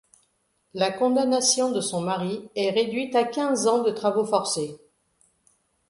La condamnation de son mari est réduite à quinze ans de travaux forcés.